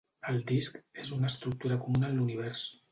El disc és una estructura comuna en l'univers.